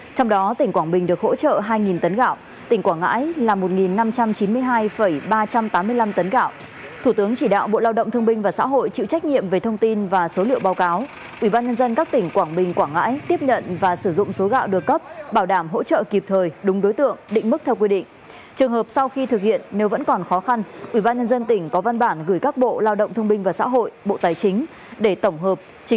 thủ tướng chính phủ chỉ đạo bộ tài chính xuất cấp không thu tiền ba năm trăm chín mươi hai ba trăm tám mươi năm tấn gạo từ nguồn dự trữ quốc gia cho các tỉnh quảng bình quảng ngãi để hỗ trợ nhân dân bị ảnh hưởng bởi thiên tai mưa lũ